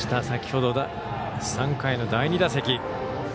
先ほど、３回の第２打席。